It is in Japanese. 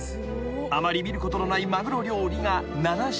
［あまり見ることのないマグロ料理が７品］